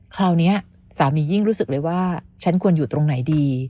คราวนี้สามียิ่งรู้สึกเลยว่าฉันควรอยู่ตรงไหนดี